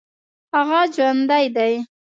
هغه جوندى دى.